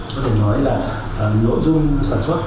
có thể nói là nội dung sản xuất